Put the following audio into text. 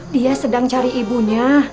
dia sedang cari ibunya